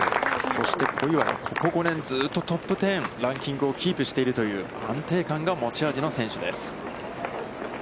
そして小祝、ここ５年、トップテン、ランキングをキープしている安定感が持ち味の選手です。